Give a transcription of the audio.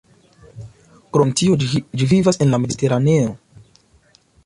Krom tio ĝi vivas en la Mediteraneo.